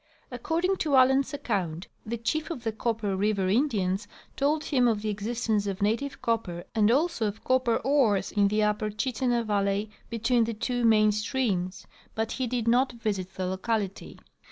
According to Allen's account, the chief of the Copper river Indians told him of the existence of native copper and also of copper ores in the upper Chittenah valley between the two main streams, but he did not visit the locality.